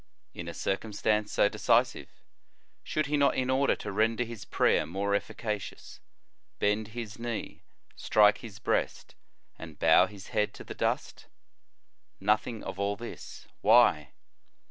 In a circumstance so decisive, should he not, in order to render his prayer more efficacious, bend his knee, strike his breast, and bow his head to the dust? Nothing of all this. Why?